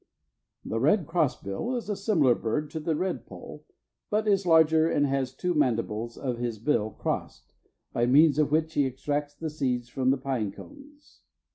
The red crossbill is a similar bird to the redpoll, but is larger and has the two mandibles of his bill crossed, by the means of which he extracts the seeds from the pine cones.